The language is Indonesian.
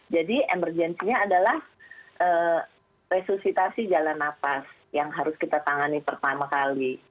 emergensinya adalah resusitasi jalan nafas yang harus kita tangani pertama kali